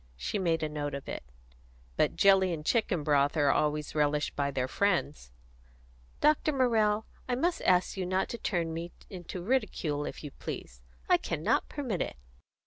She made a note of it. "But jelly and chicken broth are always relished by their friends." "Dr. Morrell, I must ask you not to turn me into ridicule, if you please. I cannot permit it."